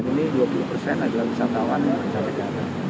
dan ini dua puluh persen adalah wisatawan di jakarta